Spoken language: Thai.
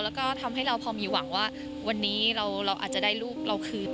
แล้วก็ทำให้เราพอมีหวังว่าวันนี้เราอาจจะได้ลูกเราคืน